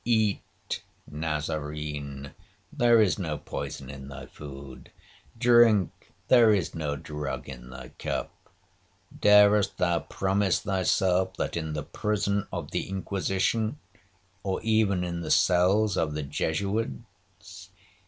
Eat, Nazarene, there is no poison in thy food,—drink, there is no drug in thy cup. Darest thou promise thyself that in the prison of the Inquisition, or even in the cells of the Jesuits?